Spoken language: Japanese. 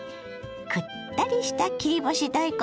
くったりした切り干し大根